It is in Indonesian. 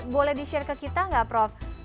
boleh di share ke kita nggak prof